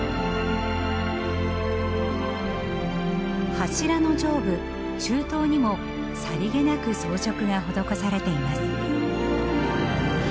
柱の上部柱頭にもさりげなく装飾が施されています。